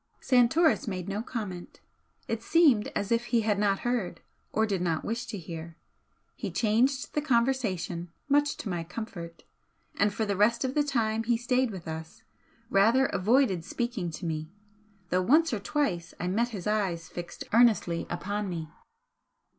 Santoris made no comment. It seemed as if he had not heard, or did not wish to hear. He changed the conversation, much to my comfort, and for the rest of the time he stayed with us, rather avoided speaking to me, though once or twice I met his eyes fixed earnestly upon me.